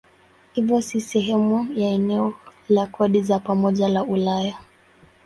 Hivyo si sehemu ya eneo la kodi za pamoja la Ulaya.